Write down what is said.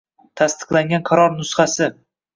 tasdiqlangan qaror nusxasi